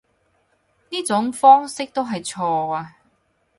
呢種方式都係錯啊